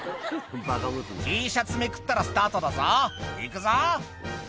「Ｔシャツめくったらスタートだぞ行くぞ」